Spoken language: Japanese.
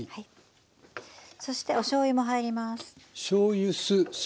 そしておしょうゆも入ります。